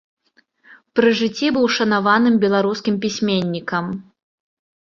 Пры жыцці быў шанаваным беларускім пісьменнікам.